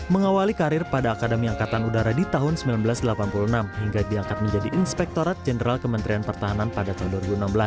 mengawali karir pada akademi angkatan udara di tahun seribu sembilan ratus delapan puluh enam hingga diangkat menjadi inspektorat jenderal kementerian pertahanan pada tahun dua ribu enam belas